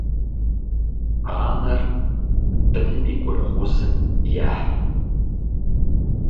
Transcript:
Анэр быным и гурыгъузым ехь.